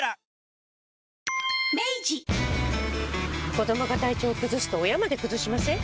子どもが体調崩すと親まで崩しません？